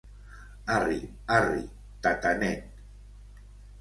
Arri, arri, tatanet!